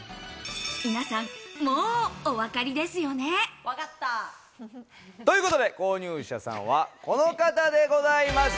皆さん、もうおわかりですよね？ということで購入者さんはこの方でございます。